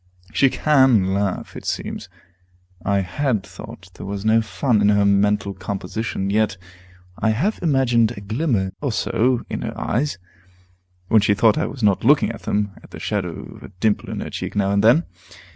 She can laugh, it seems. I had thought there was no fun in her mental composition. Yet I have imagined a glimmer or so in her eyes, when she thought I was not looking at them, and the shadow of a dimple in her cheek now and then.